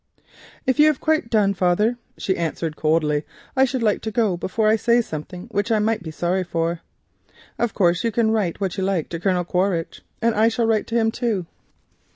"If you have quite done, father," she answered coldly, "I should like to go before I say something which I might be sorry for. Of course you can write what you like to Colonel Quaritch, and I shall write to him, too."